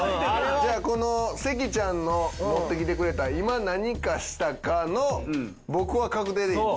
じゃあこの関ちゃんの持ってきてくれた「今何かしたか？」の僕は確定でいい？